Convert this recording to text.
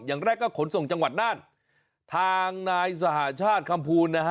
อย่างแรกก็ขนส่งจังหวัดน่านทางนายสหชาติคำภูลนะฮะ